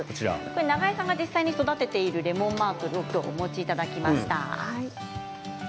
永江さんが育てているレモンマートルをお持ちいただきました。